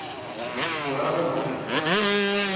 Morada Nova